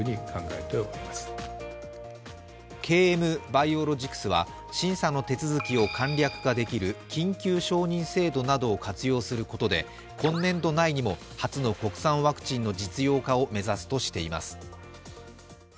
ＫＭバイオロジクスは審査の手続きを簡略化できる緊急承認制度などを活用することで今年度内にも初の国産ワクチンの実用化を目指すとしています。